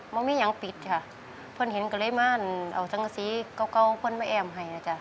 ไม่มียังปิดค่ะเพื่อนเห็นก็เลยม่านเอาสังสีเก่าเพื่อนมาแอ้มให้นะจ๊ะ